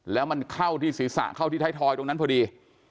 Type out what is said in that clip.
แล้วมันเข้าที่ศีรษะเข้าที่ไทยทอยตรงนั้นพอดี